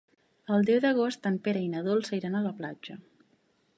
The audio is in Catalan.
El deu d'agost en Pere i na Dolça iran a la platja.